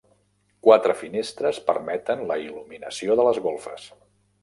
Quatre finestres permeten la il·luminació de les golfes.